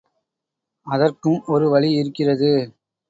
அதற்கும் ஒரு வழி இருக்கிறது.